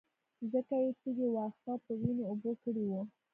ځکه يې تږي واښه په وينو اوبه کړي وو.